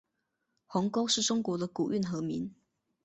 鸿沟是中国的古运河名。